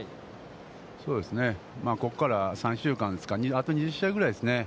そうですね、ここから３週間ですか、あと２０試合ぐらいですね。